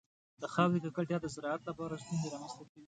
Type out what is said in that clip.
د خاورې ککړتیا د زراعت لپاره ستونزې رامنځته کوي.